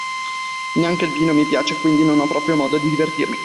Neanche il vino mi piace, quindi non ho proprio modo di divertirmi.